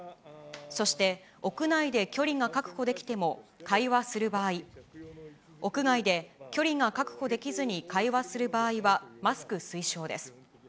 そして奥内で距離が確保できても、会話する場合、屋外で距離が確保できずに会話する場合は、マスク推奨です。